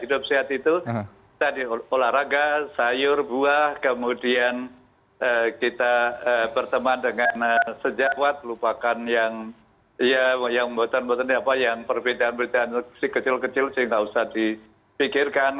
hidup sehat itu tadi olahraga sayur buah kemudian kita berteman dengan sejawat lupakan yang ya yang membuat membuat yang perbedaan perbedaan kecil kecil jadi nggak usah dipikirkan